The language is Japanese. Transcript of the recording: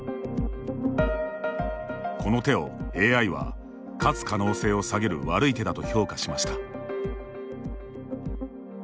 この手をＡＩは、勝つ可能性を下げる悪い手だと評価しました。